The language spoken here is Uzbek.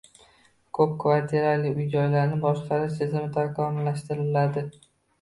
Ko‘p kvartirali uy-joylarni boshqarish tizimi takomillashtiriladi